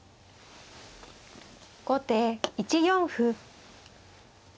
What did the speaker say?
後手１四歩。